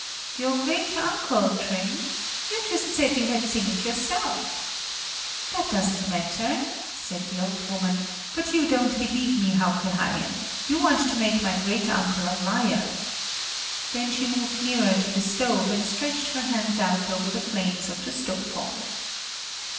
"Your great uncle, Trin? You just said you had seen it yourself." "That doesn't matter," said the old woman; "but you don't believe me, Hauke Haien; you want to make my great uncle a liar!" Then she moved nearer to the stove and stretched her hands out over the flames of the stove hole.